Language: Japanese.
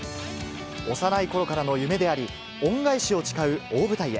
幼いころからの夢であり、恩返しを誓う大舞台へ。